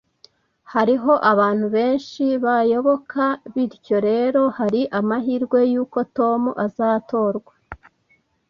Hariho abantu benshi bayoboka, bityo rero hari amahirwe yuko Tom azatorwa